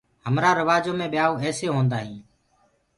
همرآ روآجو مي ٻيائوُ ايسي هوندآ هينٚ